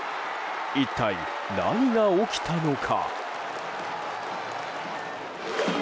一体、何が起きたのか。